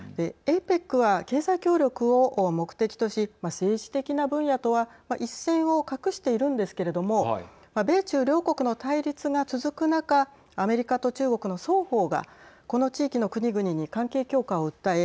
ＡＰＥＣは経済協力を目的とし政治的な分野とは一線を画しているんですけれども米中両国の対立が続く中アメリカと中国の双方がこの地域の国々に関係強化を訴え